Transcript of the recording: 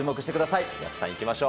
いきましょう。